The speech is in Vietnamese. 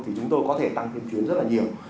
thì chúng tôi có thể tăng thêm chuyến rất là nhiều